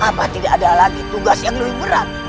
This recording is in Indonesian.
apa tidak ada lagi tugas yang lebih berat